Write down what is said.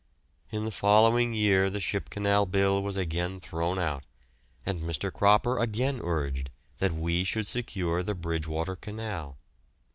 In the following year the Ship Canal Bill was again thrown out, and Mr. Cropper again urged that we should secure the Bridgewater Canal.